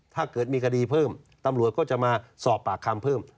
ถ้าเกิดมีคดีเพิ่มตำรวจก็จะมาสอบปากคำเพิ่ม